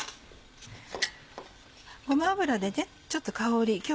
ごま油でちょっと香り